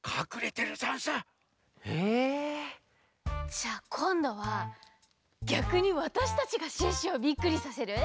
じゃあこんどはぎゃくにわたしたちがシュッシュをビックリさせる？